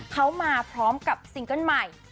เขามาพร้อมกับซิงเกิ้ลใหม่